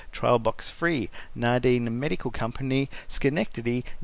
Trial box free. Nardine Med. Co, Schenectady, N.